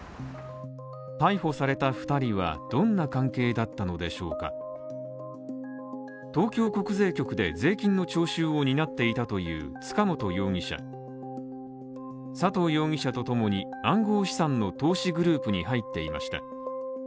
逮捕された２人はどんな関係だったのでしょうか、東京国税局で税金の徴収を担っていたという塚本容疑者佐藤容疑者とともに、暗号資産の投資グループに入っていました。